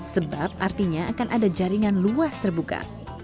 sebab artinya akan ada jaringan luas terbuka